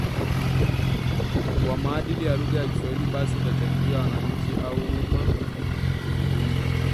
wa maadili ya lugha ya Kiswahili basi itachangia wananchi au umma kuzungumza